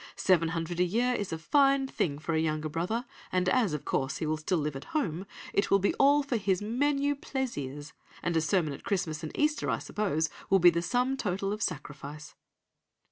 Seven hundred a year is a fine thing for a younger brother; and as, of course, he will still live at home, it will be all for his menus plaisirs; and a sermon at Christmas and Easter, I suppose, will be the sum total of sacrifice.